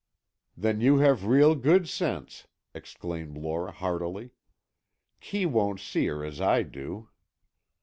"Then you have real good sense," exclaimed Lora, heartily. "Kee won't see her as I do."